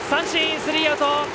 スリーアウト！